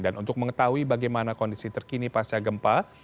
dan untuk mengetahui bagaimana kondisi terkini pasca gempa